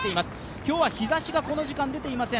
今日は日ざしがこの時間は出ていません。